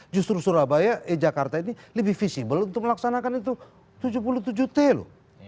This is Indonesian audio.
justru surabaya eh jakarta ini lebih visible untuk melaksanakan itu tujuh puluh tujuh t loh